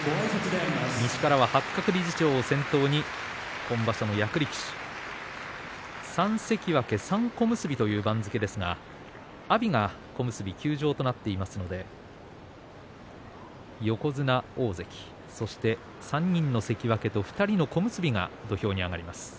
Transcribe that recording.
西からは八角理事長を先頭に今場所の役力士３関脇、３小結という番付ですが阿炎が小結休場となっていますので横綱、大関、そして３人の関脇と２人の小結が土俵に上がりました。